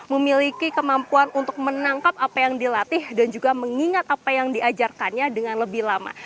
memiliki kemampuan untuk menangkap apa yang dilatih dan juga mengingat apa yang diajarkannya dengan lebih lama